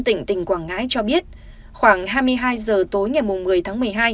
tỉnh quảng ngãi cho biết khoảng hai mươi hai giờ tối ngày một mươi tháng một mươi hai